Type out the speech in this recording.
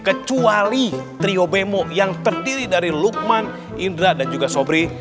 kecuali trio bemo yang terdiri dari lukman indra dan juga sobri